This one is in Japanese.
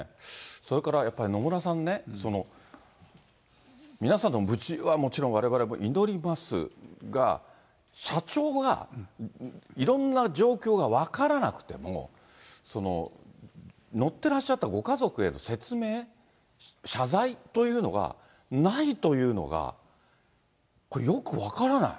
それからやっぱり、野村さんね、皆さんの無事はわれわれもちろん祈ります、が、社長がいろんな状況が分からなくても、乗ってらっしゃったご家族への説明、謝罪というのがないというのが、これ、よく分からない。